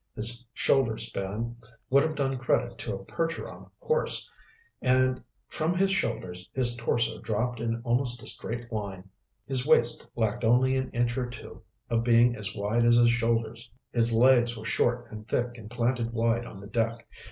His shoulder span would have done credit to a Percheron horse, and from his shoulders his torso dropped in almost a straight line. His waist lacked only an inch or two of being as wide as his shoulders. His legs were short and thick and planted wide on the deck.